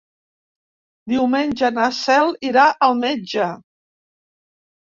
Diumenge na Cel irà al metge.